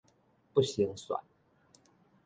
不成蒜